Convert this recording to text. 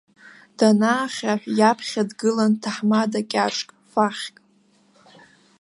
Данаахьаҳә, иаԥхьа дгылан ҭаҳмада кьаҿк, фархьк.